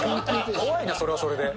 怖いな、それはそれで。